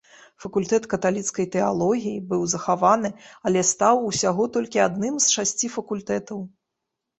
Факультэт каталіцкай тэалогіі быў захаваны, але стаў усяго толькі адным з шасці факультэтаў.